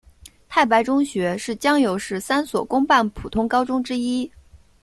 太白中学是江油市三所公办普通高中之一。